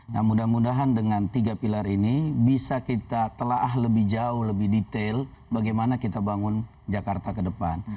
nah mudah mudahan dengan tiga pilar ini bisa kita telah lebih jauh lebih detail bagaimana kita bangun jakarta ke depan